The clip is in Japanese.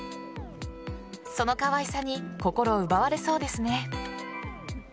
そのかわいさに心奪われそうですね。